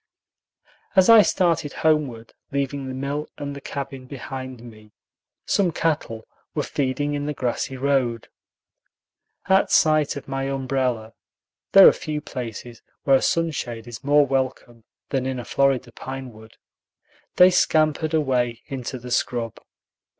As I started homeward, leaving the mill and the cabin behind me, some cattle were feeding in the grassy road. At sight of my umbrella (there are few places where a sunshade is more welcome than in a Florida pine wood) they scampered away into the scrub.